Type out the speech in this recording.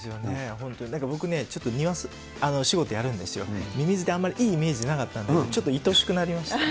本当に、僕ね、庭仕事やるんですよ、ミミズってあんまりいいイメージなかったんだけど、ちょっといとおしくなりました。